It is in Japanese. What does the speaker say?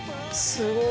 すごい。